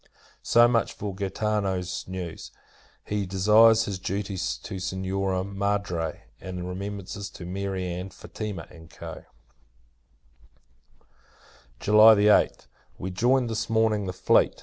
So much for Gaetano's news. He desires his duty to Signora Madre; and remembrances to Mary Ann, Fatima, &c. [July 8th. We joined, this morning, the fleet.